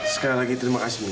sekali lagi terima kasih